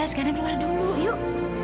sekarang keluar dulu yuk